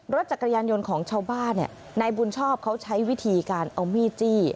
รถจักรยานยนต์ของชาวบ้านนายบุญชอบเขาใช้วิธีการเอามีดจี้